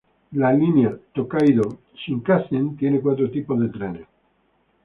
La línea Tōkaidō Shinkansen tiene cuatro tipos de trenes.